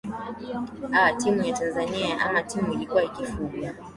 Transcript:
aaa timu ya tanzania ya ama timu ilikuwa ikifugwa